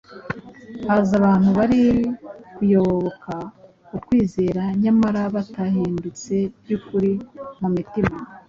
haza abantu bari kuyoboka ukwizera nyamara batahindutse by’ukuri mu mitima,